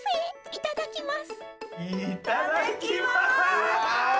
［いただきます］